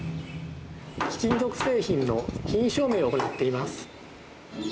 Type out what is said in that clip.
貴金属製品の品位証明を行っています。